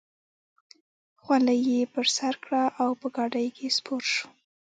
خولۍ یې پر سر کړه او په ګاډۍ کې سپور شو.